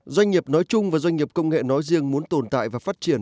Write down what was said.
doanh nghiệp nói chung và doanh nghiệp công nghệ nói riêng muốn tồn tại và phát triển